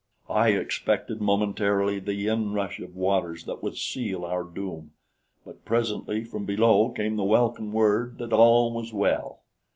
I expected momentarily the inrush of waters that would seal our doom; but presently from below came the welcome word that all was well.